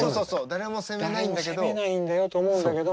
誰も責めないんだよと思うんだけども。